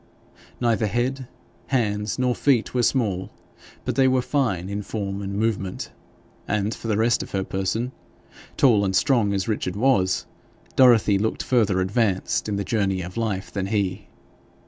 Neither head, hands, nor feet were small, but they were fine in form and movement; and for the rest of her person, tall and strong as Richard was, Dorothy looked further advanced in the journey of life than he.